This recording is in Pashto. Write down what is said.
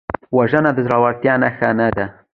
وژنه د زړورتیا نښه نه ده